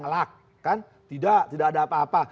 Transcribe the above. ngelak kan tidak ada apa apa